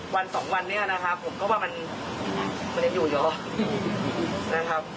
วันสองวันนี้นะครับผมก็ว่ามันยังอยู่อยู่นะครับ